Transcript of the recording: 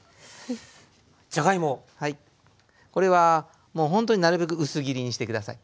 これはもうほんとになるべく薄切りにして下さい。